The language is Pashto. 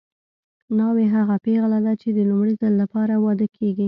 ناوې هغه پېغله ده چې د لومړي ځل لپاره واده کیږي